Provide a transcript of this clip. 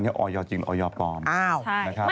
พี่ชอบแซงไหลทางอะเนาะ